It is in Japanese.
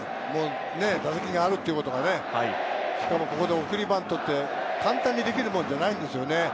打撃があるっていうことが、しかもここで送りバント、簡単にできるものじゃないですよね。